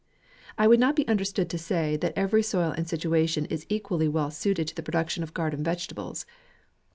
I would not be understood to say, that ev ery soil and situation is equally well suited to the production of garden vegetables.